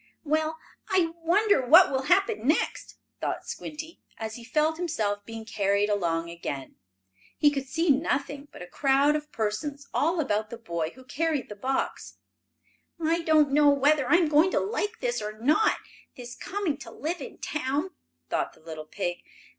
"Well, I wonder what will happen next?" thought Squinty, as he felt himself being carried along again. He could see nothing but a crowd of persons all about the boy who carried the box. "I don't know whether I am going to like this or not this coming to live in town," thought the little pig.